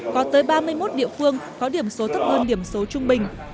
có tới ba mươi một địa phương có điểm số thấp hơn điểm số trung bình